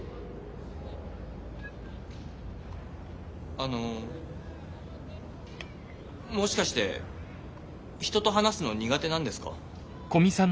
あのもしかして人と話すの苦手なんですか？